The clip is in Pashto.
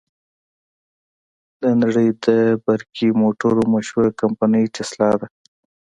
د نړې د برقی موټرو مشهوره کمپنۍ ټسلا ده.